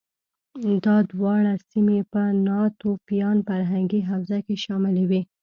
دا دواړه سیمې په ناتوفیان فرهنګي حوزه کې شاملې وې